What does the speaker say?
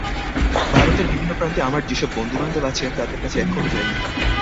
ভারতের বিভিন্ন প্রান্তে আমার যে-সব বন্ধু-বান্ধব আছেন, তাঁদের কাছে এখনও যাইনি।